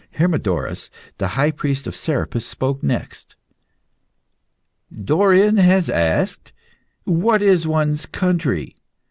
Hermodorus, the High Priest of Serapis, spoke next "Dorion has asked, 'What is one's country?